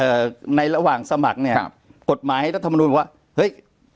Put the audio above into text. ในระหว่างสมัครเนี่ยครับกฎหมายรัฐมนุนบอกว่าเฮ้ย